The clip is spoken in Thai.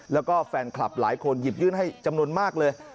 แล้วก็แฟนคลับหลายคนหยิบยื่นให้จำนวนมากเลย